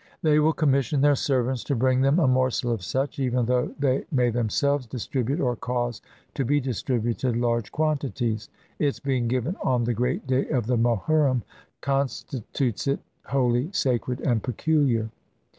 They will commission their servants to bring them a morsel of such, even though they may themselves dis tribute or cause to be distributed, large quantities! Its being given on the great day of the Mohurrim consti tutes it holy, sacred, and peculiar.